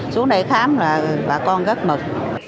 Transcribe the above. xuống đây khám là bà con rất mực